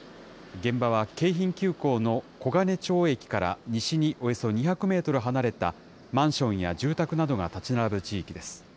現場は京浜急行の黄金町駅から西におよそ２００メートル離れた、マンションや住宅などが建ち並ぶ地域です。